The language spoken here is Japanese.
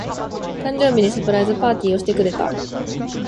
誕生日にサプライズパーティーをしてくれた。